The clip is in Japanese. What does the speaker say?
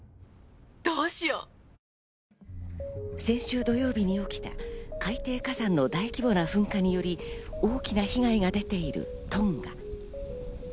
先週土曜日に起きた海底火山の大規模な噴火により大きな被害が出ているトンガ。